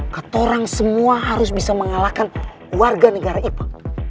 ketoran semua harus bisa mengalahkan warga negara ipa